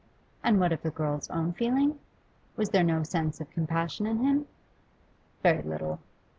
And what of the girl's own feeling? Was there no sense of compassion in him? Very little.